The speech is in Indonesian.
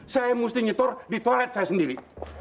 saya mesti nyetor di toilet saya sendiri